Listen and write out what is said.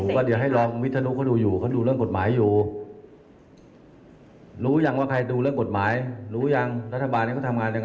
ก็ยังไม่มีประโยชน์เลยฉันอยาก